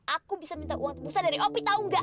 aku bisa minta uang terbusa dari op tau gak